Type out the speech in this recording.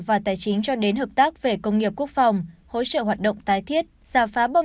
và tài chính cho đến hợp tác về công nghiệp quốc phòng hỗ trợ hoạt động tái thiết giả phá bom